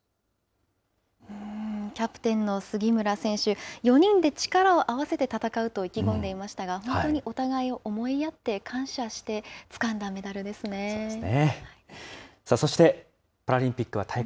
キャプテンの杉村選手、４人で力を合わせて戦うと意気込んでいましたが、本当にお互いを思い合って、感謝してつかんだメダルですね。